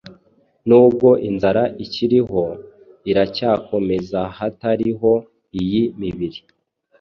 Nubwo inzara ikiriho iracyakomezaHatariho iyi mibiri